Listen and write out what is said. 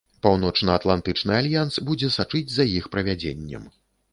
Паўночнаатлантычны альянс будзе сачыць за іх правядзеннем.